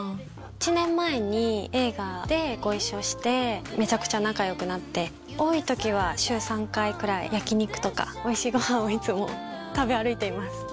１年前に映画でご一緒してめちゃくちゃ仲良くなって多い時は週３回くらい焼き肉とかおいしいご飯をいつも食べ歩いています。